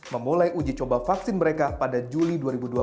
memulai uji coba vaksin mereka pada juli dua ribu dua puluh